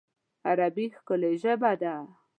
عربي ښکلی ژبه ده